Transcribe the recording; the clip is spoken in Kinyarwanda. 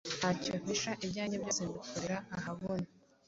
Nta cyo mpisha ibyange byose mbikorera ahabona.